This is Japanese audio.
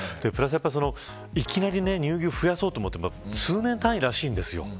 いきなり乳牛を増やそうと思っても、数年単位らしいです。